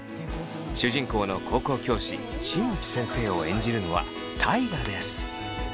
主人公の高校教師新内先生を演じるのは大我です。